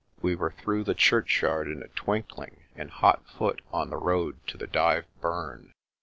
We were through the churchyard in a twinkling, and hot foot on the road to the Dyve Burn.